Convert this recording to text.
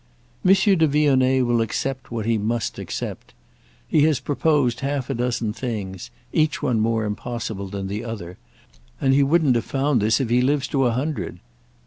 "Monsieur de Vionnet will accept what he must accept. He has proposed half a dozen things—each one more impossible than the other; and he wouldn't have found this if he lives to a hundred.